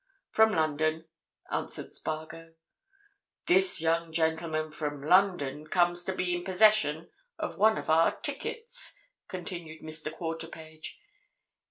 "From London," answered Spargo. "This young gentleman from London comes to be in possession of one of our tickets," continued Mr. Quarterpage.